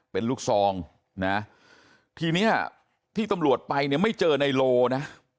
เป็นลูกซองนะทีเนี้ยที่ตำรวจไปเนี่ยไม่เจอในโลนะ